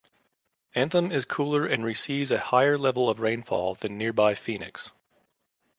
Anthem is cooler and receives a higher level of rainfall than nearby Phoenix.